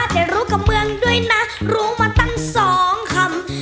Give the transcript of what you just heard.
แต่รู้กับเมืองด้วยนะรู้มาตั้งสองคำ